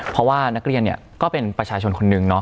เพราะว่านักเรียนก็เป็นประชาชนคนหนึ่ง